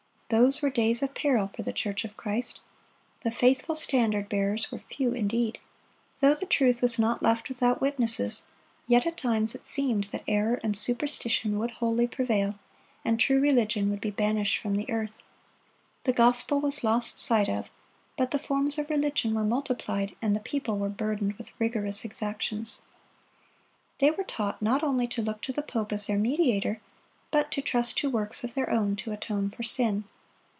Those were days of peril for the church of Christ. The faithful standard bearers were few indeed. Though the truth was not left without witnesses, yet at times it seemed that error and superstition would wholly prevail, and true religion would be banished from the earth. The gospel was lost sight of, but the forms of religion were multiplied, and the people were burdened with rigorous exactions. They were taught not only to look to the pope as their mediator, but to trust to works of their own to atone for sin.